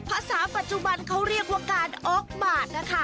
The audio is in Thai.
ภาษาปัจจุบันเขาเรียกว่าการออกบาดนะคะ